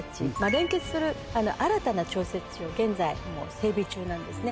連結する新たな調節池を現在整備中なんですね。